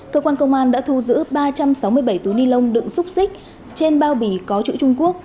cơ quan công an đã thu giữ ba trăm sáu mươi bảy túi ni lông đựng xúc xích trên bao bì có chữ trung quốc